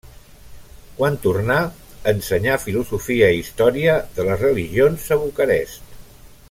Quan tornà, ensenyà filosofia i història de les religions a Bucarest.